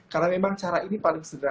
karena memang cara ini paling sederhana